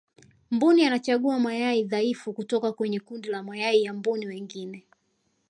mbuni anachagua mayai dhaifu kutoka kwenye kundi la mayai ya mbuni wengine